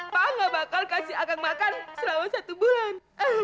panggel bakal kasih akang makan selama satu bulan